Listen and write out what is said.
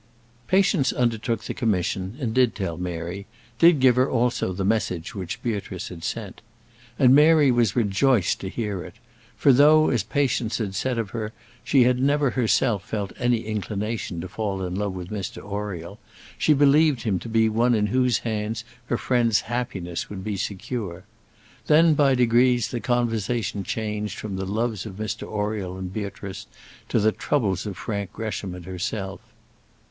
Patience undertook the commission, and did tell Mary; did give her also the message which Beatrice had sent. And Mary was rejoiced to hear it; for though, as Patience had said of her, she had never herself felt any inclination to fall in love with Mr Oriel, she believed him to be one in whose hands her friend's happiness would be secure. Then, by degrees, the conversation changed from the loves of Mr Oriel and Beatrice to the troubles of Frank Gresham and herself.